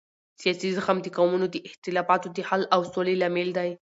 سیاسي زغم د قومونو د اختلافاتو د حل او سولې لامل دی